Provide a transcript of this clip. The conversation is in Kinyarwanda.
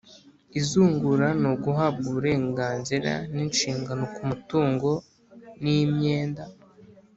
izungura ni uguhabwa uburenganzira n'inshingano ku mutungo n'imyenda